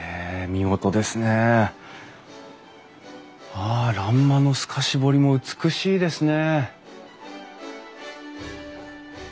あ欄間の透かし彫りも美しいですね！